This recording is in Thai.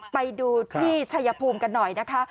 ไปดูที่ชัยภูมิกันหน่อยนะคะ